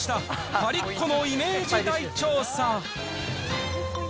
パリっ子のイメージ大調査。